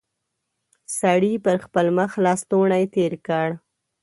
سړي پر خپل مخ لستوڼی تېر کړ.